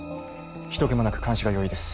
人けもなく監視が容易です